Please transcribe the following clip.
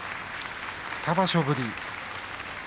２場所ぶり。